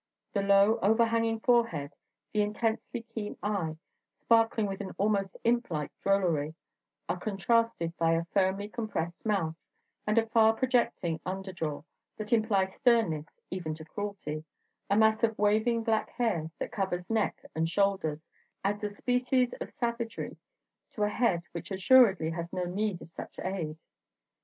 The low, overhanging forehead, the intensely keen eye, sparkling with an almost imp like drollery, are contrasted by a firmly compressed mouth and a far projecting under jaw that imply sternness even to cruelty; a mass of waving black hair, that covers neck and shoulders, adds a species of savagery to a head which assuredly has no need of such aid.